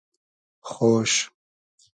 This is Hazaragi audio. خۉش